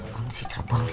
bang sih terbang